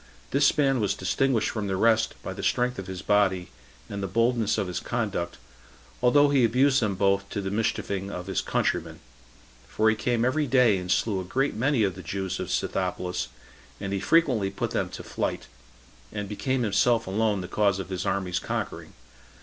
This man was distinguished from the rest by the strength of his body, and the boldness of his conduct, although he abused them both to the mischieving of his countrymen; for he came every day and slew a great many of the Jews of Scythopolis, and he frequently put them to flight, and became himself alone the cause of his army's conquering.